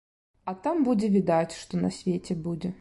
А там будзе відаць, што на свеце будзе.